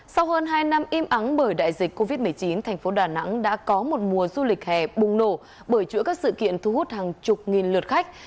sau hơn hai năm im ắng bởi đại dịch covid một mươi chín thành phố đà nẵng đã có một mùa du lịch hè bùng nổ bởi chuỗi các sự kiện thu hút hàng chục nghìn lượt khách